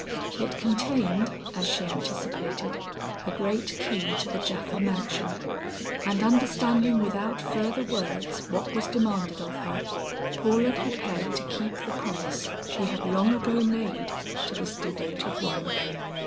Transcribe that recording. It contained, as she anticipated, the great key to the Japha mansion, and understanding without further words, what was demanded of her, Paula prepared to keep the promise she had long ago made to this devoted woman.